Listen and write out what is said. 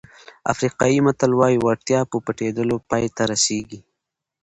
افریقایي متل وایي وړتیا په پټېدلو پای ته رسېږي.